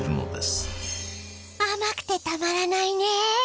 あまくてたまらないね。